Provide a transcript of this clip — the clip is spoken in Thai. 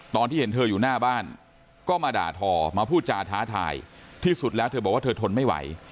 ตอนที่เห็นเธออยู่หน้าบ้านก็มาด่าทอมาพูดจาท้าทายที่สุดแล้วเธอบอกว่าเธอทนไม่ไหว